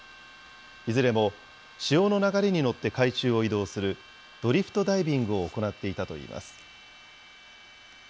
いずれも潮の流れに乗って海中を移動するドリフトダイビングを行っていたといいます。